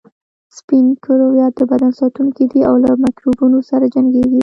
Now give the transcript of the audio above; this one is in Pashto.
سپین کرویات د بدن ساتونکي دي او له میکروبونو سره جنګیږي